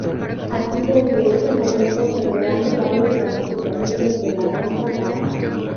Así desde ese momento generando varias ramificaciones de la danza jazz.